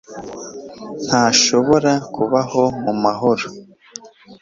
ntashobora kubaho mu mahoro